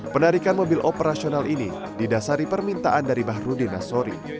penarikan mobil operasional ini didasari permintaan dari bahru dinasori